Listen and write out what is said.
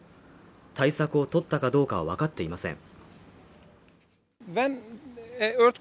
対策をとったかどうかはわかっていません。